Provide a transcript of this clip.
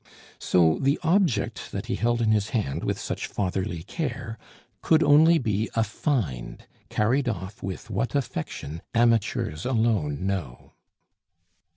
So the object that he held in his hand with such fatherly care could only be a "find," carried off with what affection amateurs alone know!